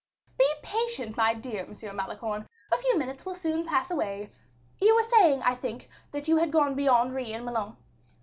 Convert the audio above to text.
"Be patient, my dear M. Manicamp; a few minutes will soon pass away; you were saying, I think, that you had gone beyond Ris and Melun."